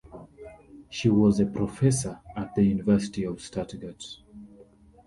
She was a professor at the University of Stuttgart.